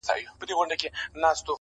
هر ماځيگر تبه، هره غرمه تبه~